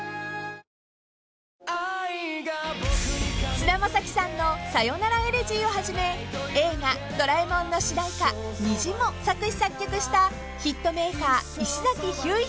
［菅田将暉さんの『さよならエレジー』をはじめ映画『ドラえもん』の主題歌『虹』も作詞作曲したヒットメーカー石崎ひゅーいさん］